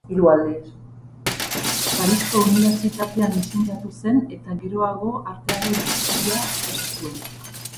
Parisko Unibertsitatean lizentziatu zen eta geroago Artearen Historia ikasi zuen.